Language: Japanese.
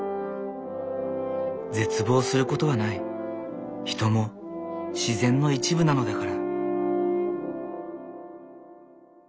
絶望することはない人も自然の一部なのだから。